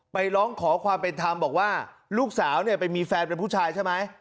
ร้องขอความเป็นธรรมบอกว่าลูกสาวเนี่ยไปมีแฟนเป็นผู้ชายใช่ไหม